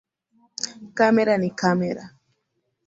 Kamera ni kamera.